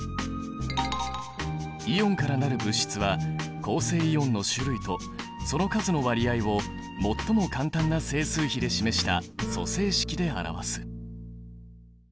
イオンから成る物質は構成イオンの種類とその数の割合を最も簡単な整数比で示した組成式で表す。